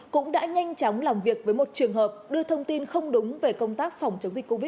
cũng đã nhanh chóng làm việc với một trường hợp đưa thông tin không đúng về công tác phòng chống dịch covid